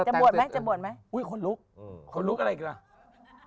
บวชไหมจะบวชไหมอุ้ยคนลุกคนลุกอะไรอีกล่ะ